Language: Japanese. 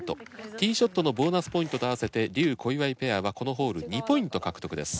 Ｔｅｅショットのボーナスポイントと合わせて笠・小祝ペアはこのホール２ポイント獲得です。